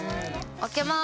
開けます。